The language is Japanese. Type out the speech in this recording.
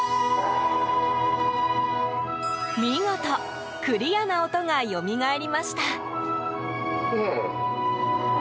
見事、クリアな音がよみがえりました。